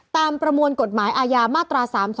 ประมวลกฎหมายอาญามาตรา๓๒